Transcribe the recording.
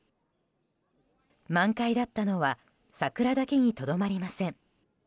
満開だったのは桜だけにとどまりません。